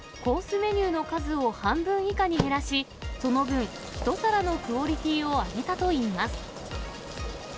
メニューの数を半分以下に減らし、その分、１皿のクオリティーを上げたといいます。